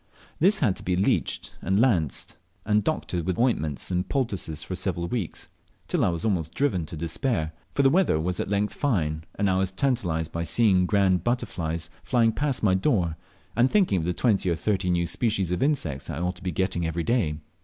This had to be leeched, and lanced, and doctored with ointments and poultices for several weeks, till I was almost driven to despair, for the weather was at length fine, and I was tantalized by seeing grand butterflies flying past my door, and thinking of the twenty or thirty new species of insects that I ought to be getting every day.